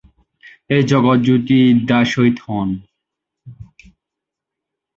এতে জগৎজ্যোতি দাস শহীদ হন।